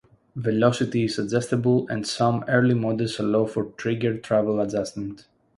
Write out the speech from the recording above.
Velocity is adjustable and some early models allow for trigger travel adjustment.